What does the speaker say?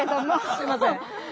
すいません。